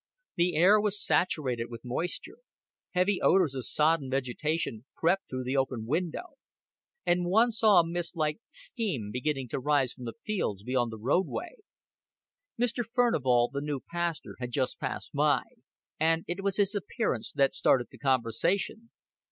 The air was saturated with moisture; heavy odors of sodden vegetation crept through the open window; and one saw a mist like steam beginning to rise from the fields beyond the roadway. Mr. Furnival, the new pastor, had just passed by; and it was his appearance that started the conversation.